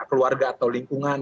keluarga atau lingkungan